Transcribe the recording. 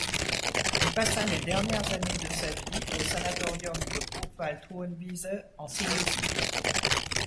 Elle passa les dernières années de sa vie au sanatorium de Buchwald-Hohenwiese en Silésie.